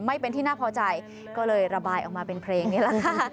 ไม่เป็นที่น่าพอใจก็เลยระบายออกมาเป็นเพลงนี้แหละค่ะ